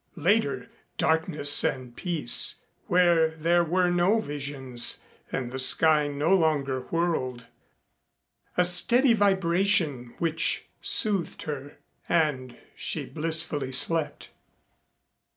Later, darkness and peace, where there were no visions and the sky no longer whirled ... a steady vibration which soothed her, and she blissfully slept.